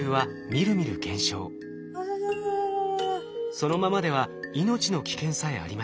そのままでは命の危険さえありました。